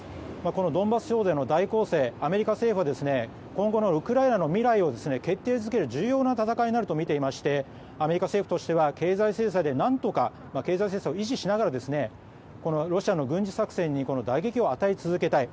このドンバス地方での大攻勢をアメリカ政府は今後のウクライナの未来を決定づける重要な戦いになると見ていましてアメリカ政府としては経済制裁を維持しながらロシアの軍事作戦に打撃を与え続けたい。